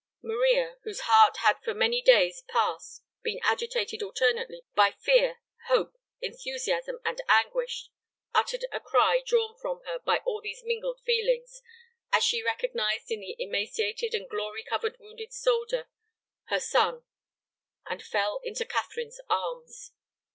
Maria, whose heart had for many days past been agitated alternately by fear, hope, enthusiasm, and anguish, uttered a cry drawn from her by all these mingled feelings, as she recognized in the emaciated and glory covered wounded soldier her son, and fell into Catherine's arms.